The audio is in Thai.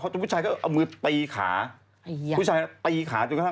กลัวว่าผมจะต้องไปพูดให้ปากคำกับตำรวจยังไง